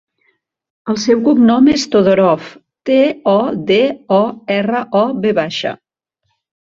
El seu cognom és Todorov: te, o, de, o, erra, o, ve baixa.